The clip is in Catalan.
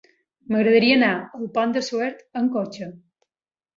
M'agradaria anar al Pont de Suert amb cotxe.